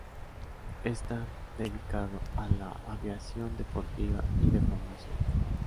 Está dedicado a la aviación deportiva y de formación.